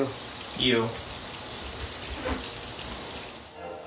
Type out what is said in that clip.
いいよ。